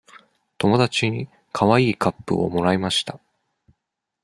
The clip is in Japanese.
友達にかわいいカップをもらいました。